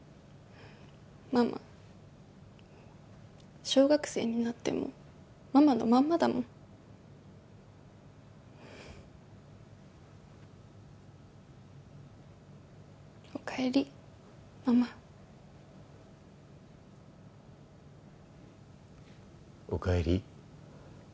ママ小学生になってもママのまんまだもんお帰りママお帰り